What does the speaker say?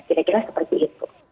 kira kira seperti itu